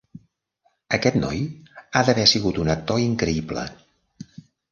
Aquest noi ha d'haver sigut un actor increïble.